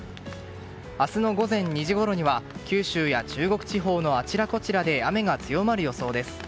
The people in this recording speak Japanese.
明日の午前２時ごろには九州や中国地方のあちらこちらで雨が強まる予想です。